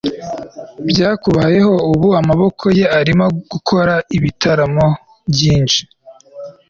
byakubayeho. ubu amaboko ye arimo akora ibitaramo byinshi